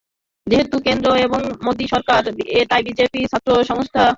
যেহেতু কেন্দ্রে এখন মোদি সরকার, তাই বিজেপির ছাত্রসংগঠন এবিভিপি অনেক সক্রিয়।